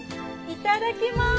いただきます。